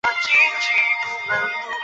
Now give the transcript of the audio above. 孔布兰欧蓬。